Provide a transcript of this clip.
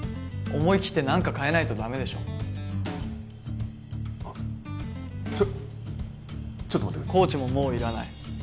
思い切って何か変えないとダメでしょあっちょっちょっと待ってくれコーチももういらない